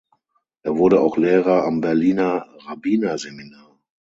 Er wurde auch Lehrer am Berliner Rabbinerseminar.